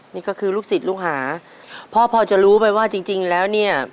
นี่ก็คือลูกศิษย์ลูกหาพ่อพอจะรู้ไหมว่าจริงจริงแล้วเนี่ย